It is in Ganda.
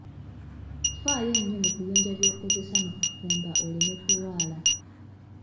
Ffaayo nnyo mu kuyonja byokozesa mu kufumba oleme kulwala.